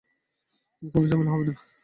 কোনো ঝামেলা হবে না।